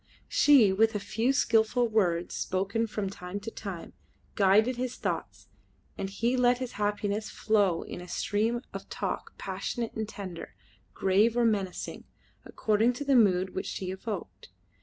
She, with a few skilful words spoken from time to time, guided his thoughts, and he let his happiness flow in a stream of talk passionate and tender, grave or menacing, according to the mood which she evoked.